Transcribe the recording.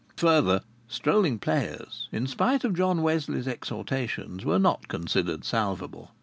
And, further, strolling players, in spite of John Wesley's exhortations, were not considered salvable.